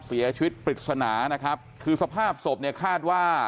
เสียชีวิตปริศนานะครับคือสภาพศพเนี่ยคาดว่า